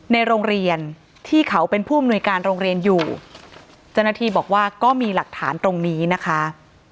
ในโรงเรียนที่เขาเป็นผู้อำนวยการโรงเรียนอยู่เจ้าหน้าที่บอกว่าก็มีหลักฐานตรงนี้นะคะ